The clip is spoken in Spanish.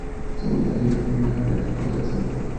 Su metalicidad es similar a la que posee el Sol.